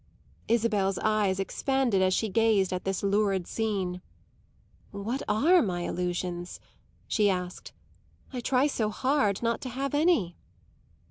Isabel's eyes expanded as she gazed at this lurid scene. "What are my illusions?" she asked. "I try so hard not to have any."